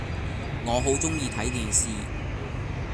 我好鍾意睇電視